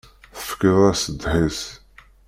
Tefkiḍ-as ddḥis.